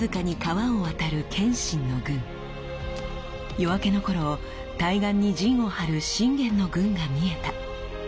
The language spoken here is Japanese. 夜明けの頃対岸に陣を張る信玄の軍が見えた。